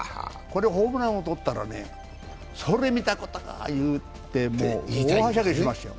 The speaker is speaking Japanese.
ホームラン王とったらそれ見たことか！って言って大はしゃぎしますよ。